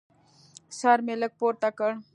سر مې لږ پورته کړ.